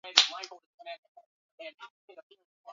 Wanyama wanao ambukizwa ugonjwa wa kichaa hufa